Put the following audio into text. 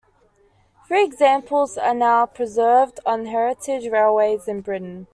Three examples are now preserved on heritage railways in Britain.